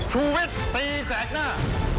ชุวิตตีแสดหน้า